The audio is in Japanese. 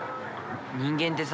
人間てさ。